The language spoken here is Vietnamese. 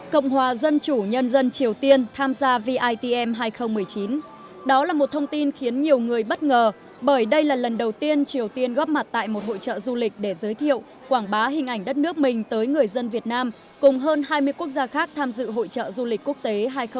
cộng hòa dân chủ nhân dân triều tiên tham gia vitm hai nghìn một mươi chín đó là một thông tin khiến nhiều người bất ngờ bởi đây là lần đầu tiên triều tiên góp mặt tại một hội trợ du lịch để giới thiệu quảng bá hình ảnh đất nước mình tới người dân việt nam cùng hơn hai mươi quốc gia khác tham dự hội trợ du lịch quốc tế hai nghìn một mươi chín